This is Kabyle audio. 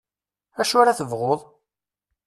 Acu ara tebɣuḍ?